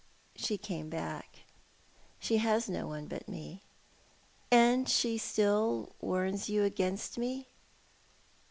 "She came back. She has no one but me." "And she still warns you against me?"